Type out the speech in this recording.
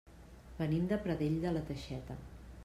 Venim de Pradell de la Teixeta.